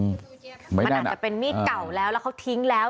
มันอาจจะเป็นมีดเก่าแล้วแล้วเขาทิ้งแล้ว